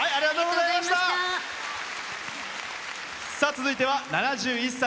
続いては７１歳。